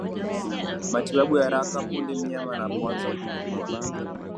Matibabu ya haraka punde mnyama anapoanza kuugua